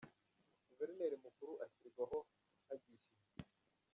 Guverineri Mukuru ashyirwaho hagishijwe.